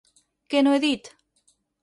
Què no he dit?